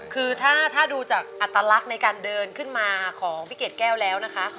คือถ้าดูจากอัตลักษณ์ในการเดินขึ้นมาของพี่เกดแก้วแล้วนะคะ